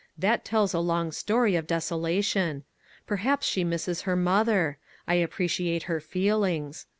that tells a long story of desolation. Perhaps she misses her mother. I appreciate her feelings.